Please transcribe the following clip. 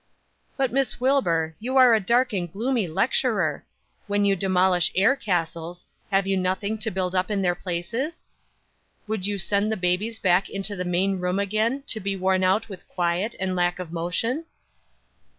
"But, Miss Wilbur, you are a dark and gloomy lecturer. When you demolish air castles, have you nothing to build up in their places? Would you send the babies back into the main room again, to be worn out with quiet and lack of motion?"